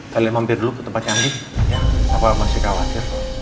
kalian mampir dulu ke tempat cantik ya